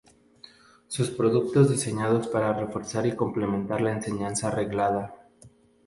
Son productos diseñados para reforzar y complementar la enseñanza reglada.